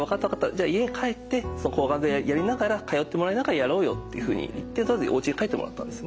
じゃあ家に帰って抗がん剤やりながら通ってもらいながらやろうよ」っていうふうに言ってとりあえずおうちへ帰ってもらったんですね。